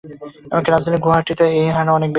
এমনকি রাজধানী গুয়াহাটিতেও এই হার অনেক বেশি।